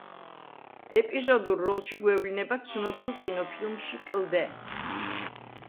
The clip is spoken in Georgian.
ეპიზოდურ როლში გვევლინება ცნობილ კინოფილმში „კლდე“.